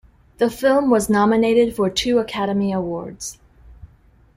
The film was nominated for two Academy Awards.